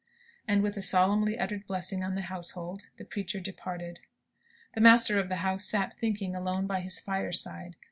And with a solemnly uttered blessing on the household, the preacher departed. The master of the house sat thinking, alone by his fireside.